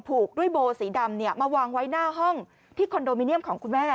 ผูกด้วยโบสีดำมาวางไว้หน้าห้องที่คอนโดมิเนียมของคุณแม่